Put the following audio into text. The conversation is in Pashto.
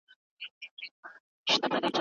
پر هر قدم به سجدې کومه